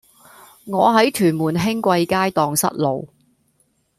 我喺屯門興貴街盪失路